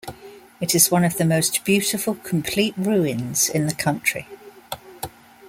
It is one of the most beautiful complete ruins in the country.